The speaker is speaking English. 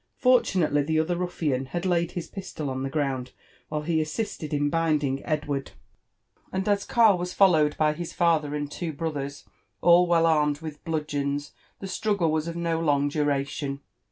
Fortunately the other ruffian had laid his pistol on the ground while he assisted in binding Edward ; and as Karl was followed by bis father and his two brothers, all well armed with bludgeons, the struggle was of no long duration.